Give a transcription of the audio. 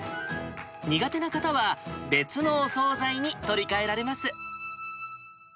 苦手な方は、別のお総菜に取り替えられます。